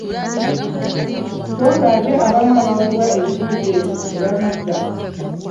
So ng’ate abamu abaweebwa ebibuuzo ebyo tebabizza.